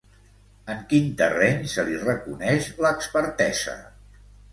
En quin terreny se li reconeix l'expertesa?